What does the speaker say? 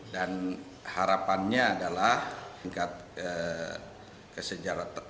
dan harapannya adalah tingkat kesejahteraan